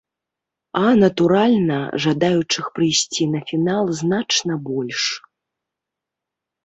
А, натуральна, жадаючых прыйсці на фінал значна больш.